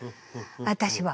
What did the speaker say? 私は。